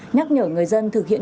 nhắc nhở người dân thực hiện